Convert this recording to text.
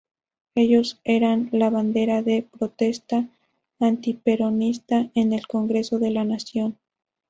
Ellos eran la bandera de protesta antiperonista en el Congreso de la Nación.